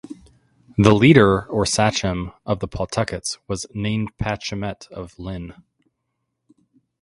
The leader, or sachem, of the Pawtuckets was Nanepashemet of Lynn.